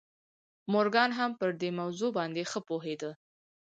مورګان هم پر دې موضوع باندې ښه پوهېده